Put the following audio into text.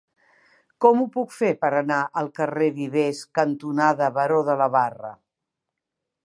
Com ho puc fer per anar al carrer Vivers cantonada Baró de la Barre?